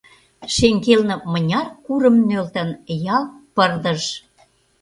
Шеҥгелне мыняр курым нӧлтын — ялт пырдыж.